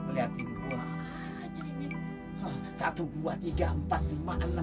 liatin gua aja gini